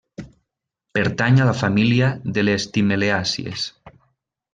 Pertany a la família de les timeleàcies.